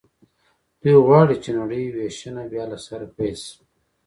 دوی غواړي چې نړۍ وېشنه بیا له سره پیل شي